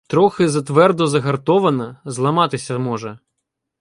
Трохи затвердо загартована, зламатися може.